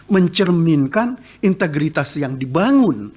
mencerminkan integritas yang dibangun